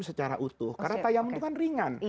secara utuh karena tayam itu kan ringan